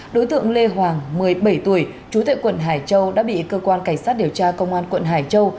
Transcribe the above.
đối tượng lê hoàng một mươi bảy tuổi trú tại quận hải châu đã bị cơ quan cảnh sát điều tra công an quận hải châu